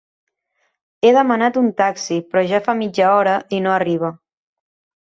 He demanat un taxi però ja fa mitja hora i no arriba.